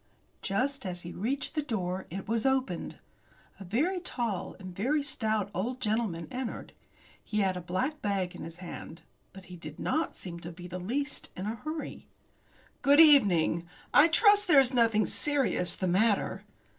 Just as he reached the door it was opened. A very tall, and very stout, old gentleman entered. He had a black bag in his hand. But he did not seem to be the least in a hurry. "Good evening. I trust there is nothing serious the matter."